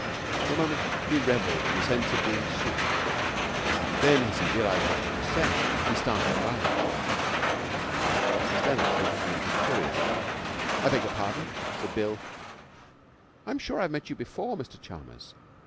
For a moment he revelled in the sense of being soothed; then, as he realized what she was saying, he started violently. Miss Leonard was looking at him curiously. 'I beg your pardon?' said Bill. 'I'm sure I've met you before, Mr Chalmers.'